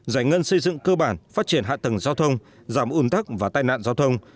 giải ngân xây dựng cơ bản phát triển hạ tầng giao thông giảm ủn tắc và tai nạn giao thông